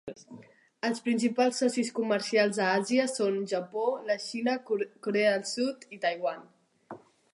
Els principals socis comercials a Àsia són Japó, la Xina, Corea del Sud i Taiwan.